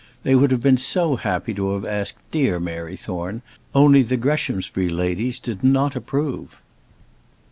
They would have been so happy to have asked dear Mary Thorne, only the Greshamsbury ladies did not approve.